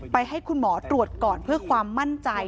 ให้คุณหมอตรวจก่อนเพื่อความมั่นใจ